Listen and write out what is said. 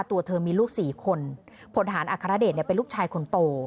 ตัวเธอมีลูก๔คนผลทหารอัครเดชเป็นลูกชายคนโต